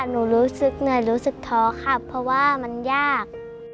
รู้สึกเหนื่อยรู้สึกท้อค่ะเพราะว่ามันยาก